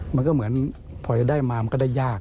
มันก็เหมือนพอจะได้มามันก็ได้ยาก